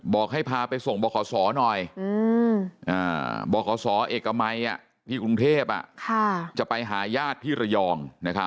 บอกให้พาไปส่งบอกขอสอหน่อยบอกขอสอเอกมัยที่กรุงเทพจะไปหายาดที่ระยองนะครับ